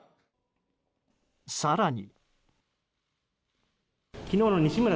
更に。